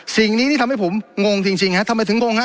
สิ่งนี้ที่ทำให้ผมงงจริงฮะทำไมถึงงงฮะ